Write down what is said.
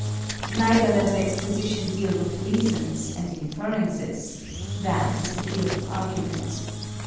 Neither does exposition deal with reasons and inferences that is the field of argument.